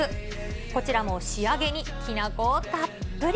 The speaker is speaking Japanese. こちらも仕上げにきな粉をたっぷり。